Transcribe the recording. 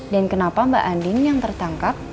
dan kenapa mbak andin yang tertangkap